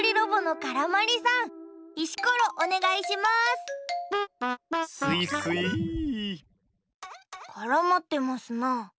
からまってますな。